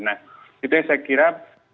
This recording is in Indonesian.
nah itu yang saya kira